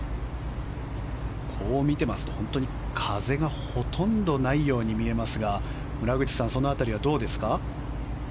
こう見てますと本当に風がほとんどないように見えますが村口さん、その辺りはどうですか？